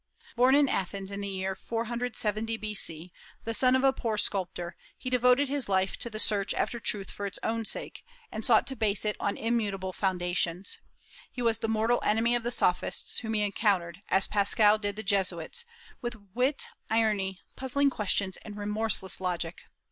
Born in Athens in the year 470 B.C., the son of a poor sculptor, he devoted his life to the search after truth for its own sake, and sought to base it on immutable foundations. He was the mortal enemy of the Sophists, whom he encountered, as Pascal did the Jesuits, with wit, irony, puzzling questions, and remorseless logic.